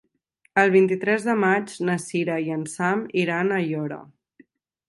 El vint-i-tres de maig na Sira i en Sam iran a Aiora.